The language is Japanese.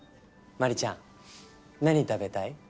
まりちゃん何食べたい？